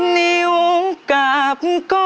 เป๊ะครับ